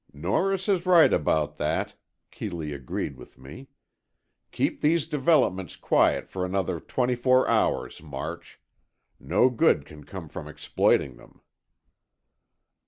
"Norris is right about that," Keeley agreed with me. "Keep these developments quiet for another twenty four hours, March. No good can come from exploiting them."